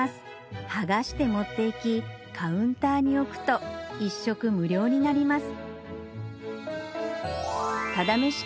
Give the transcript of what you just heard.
「はがしてもっていきカウンターに置くと一食無料になります」